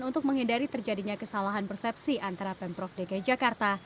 untuk menghindari terjadinya kesalahan persepsi antara pemprov dki jakarta